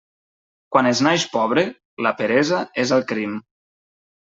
Quan es naix pobre, la peresa és el crim.